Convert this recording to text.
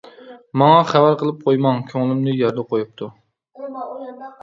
ماڭا خەۋەر قىلىپ قويماڭ، كۆڭلۈمنى يەردە قۇيۇپتۇ.